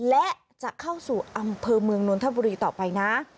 และจะเข้าสู่อำเภอเมืองนนทบุรีต่อไปนะ